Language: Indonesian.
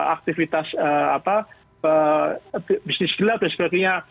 aktivitas bisnis gelap dan sebagainya